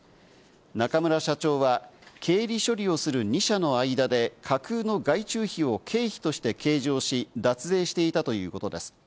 中村社長は経理処理をする２社の間で、架空の外注費を経費として計上し、脱税していたということです。